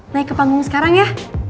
naik ke panggung sekarang ya